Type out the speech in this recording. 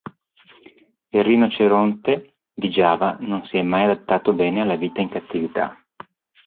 Il rinoceronte di Giava non si è mai adattato bene alla vita in cattività.